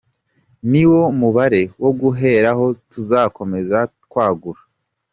Ni wo mubare wo guheraho tuzakomeza twagura.